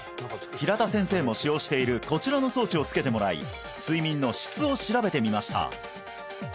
平田先生も使用しているこちらの装置をつけてもらい睡眠の質を調べてみました